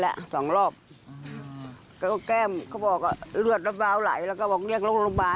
หนักไหมครับหนักต้องเรียกรถ๑๙๑ให้